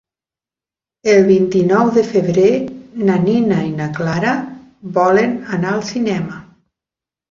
El vint-i-nou de febrer na Nina i na Clara volen anar al cinema.